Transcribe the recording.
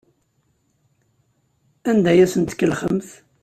Anda ay asen-tkellxemt?